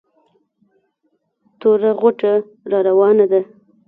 توره غوټه را راوانه وه.